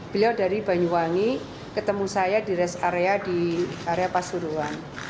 beliau dari banyuwangi ketemu saya di rest area di area pasuruan